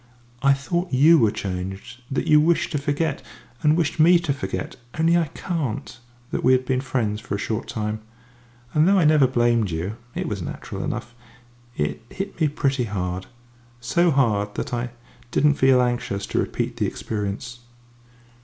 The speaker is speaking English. I thought you were changed, that you wished to forget, and wished me to forget only I can't that we had been friends for a short time. And though I never blamed you it was natural enough it hit me pretty hard so hard that I didn't feel anxious to repeat the experience."